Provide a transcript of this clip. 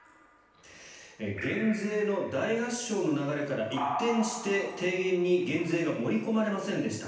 減税の大合唱の流れから一転して提言に減税が盛り込まれませんでした。